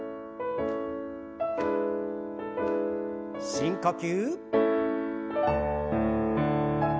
深呼吸。